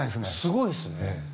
すごいですね。